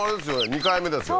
２回目ですよね